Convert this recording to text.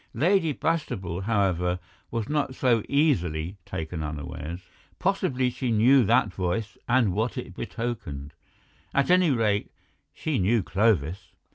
Lady Bastable, however, was not so easily taken unawares; possibly she knew that voice and what it betokened—at any rate, she knew Clovis.